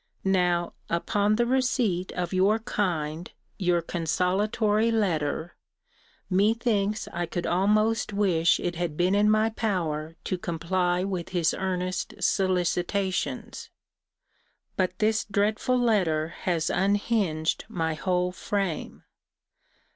Now, upon the receipt of your kind, your consolatory letter, methinks I could almost wish it had been in my power to comply with his earnest solicitations. But this dreadful letter has unhinged my whole frame.